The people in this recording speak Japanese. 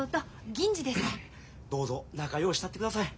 どうぞ仲ようしたってください。